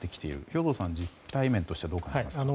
兵頭さん実態面としてはどうですか。